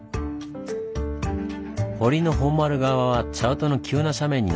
堀の本丸側はチャートの急な斜面になっています。